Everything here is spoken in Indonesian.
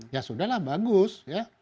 ya sudah lah bagus